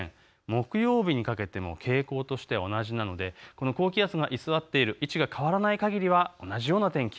木曜日にかけても傾向としては同じなので高気圧が居座っている位置が変わらないかぎりは同じような天気。